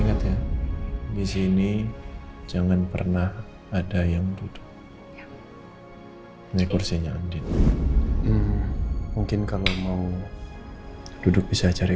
ingat ya disini jangan pernah ada yang duduk naik kursinya mungkin kalau mau duduk bisa cari